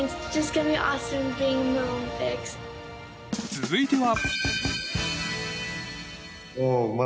続いては。